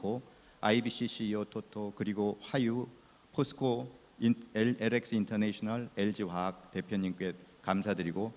oleh presiden joko widodo